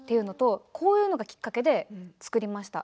こういうのがきっかけで作りました。